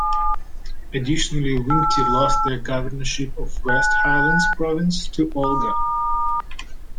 Additionally, Wingti lost the governorship of West Highlands Province to Olga.